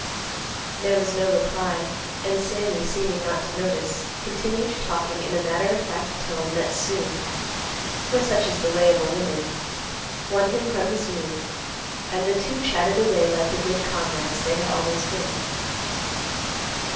There was no reply, and Sammy, seeming not to notice, continued talking in a matter of fact tone that soon—for such is the way of a woman—won him from his mood, and the two chatted away like the good comrades they had always been.